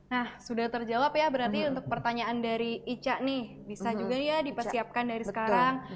nah sudah terjawab ya berarti untuk pertanyaan dari ica nih bisa juga ya dipersiapkan dari sekarang